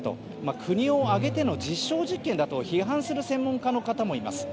国を挙げての実証実験だと批判する専門家の方もいます。